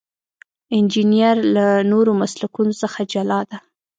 انجنیری له نورو مسلکونو څخه جلا ده.